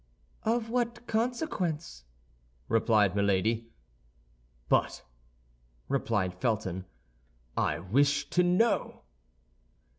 "Of what consequence?" replied Milady. "But," replied Felton, "I wish to know."